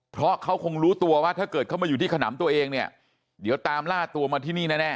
เพราะเขาคงรู้ตัวว่าถ้าเกิดเขามาอยู่ที่ขนำตัวเองเนี่ยเดี๋ยวตามล่าตัวมาที่นี่แน่